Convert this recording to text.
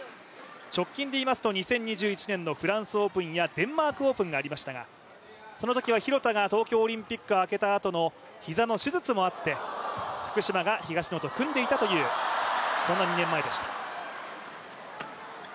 直近でいいますと、２０２１年のフランスオープンやデンマークオープンがありましたが、そのときは廣田が東京オリンピック明けたあと膝の手術もあって福島が東野と組んでいたというそんな２年前でした。